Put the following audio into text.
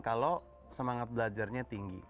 kalau semangat belajarnya tinggi